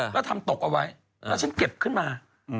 แล้วทำตกเอาไว้แล้วฉันเก็บขึ้นมา